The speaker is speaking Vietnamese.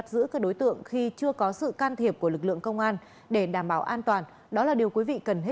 xin chào và hẹn gặp lại